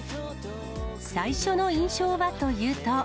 最初の印象はというと。